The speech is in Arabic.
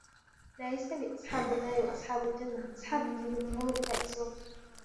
لا يَستَوي أَصحابُ النّارِ وَأَصحابُ الجَنَّةِ أَصحابُ الجَنَّةِ هُمُ الفائِزونَ